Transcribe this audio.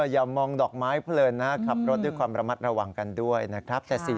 อย่ามองเพลินใช่